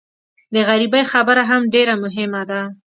د غریبۍ خبره هم ډېره مهمه ده.